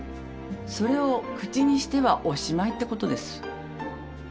それを口にしてはおしまいってことです。